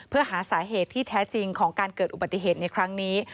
เพื่อหาสาเหตุที่แท้จริงของการเกิดอุบัติเหตุในครั้งนี้